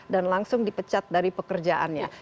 dan langsung dipecat dari pekerjaannya